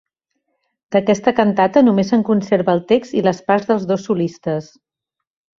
D'aquesta cantata només se'n conserva el text i les parts dels dos solistes.